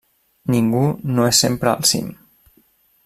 Ningú no és sempre al cim.